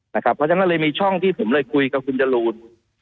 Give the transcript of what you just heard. เพราะฉะนั้นก็เลยมีช่องที่ผมเลยคุยกับคุณจรูน